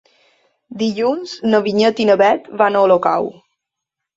Dilluns na Vinyet i na Bet van a Olocau.